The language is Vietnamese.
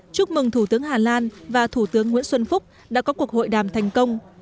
chúc mừng thủ tướng hà lan và thủ tướng nguyễn xuân phúc đã có cuộc hội đàm thành công